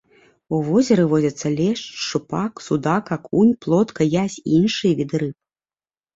У возеры водзяцца лешч, шчупак, судак, акунь, плотка, язь і іншыя віды рыб.